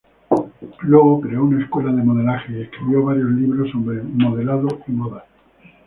Luego creó una escuela de modelaje y escribió varios libros sobre modelado y moda.